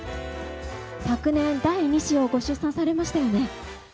昨年第２子をご出産されましたよね。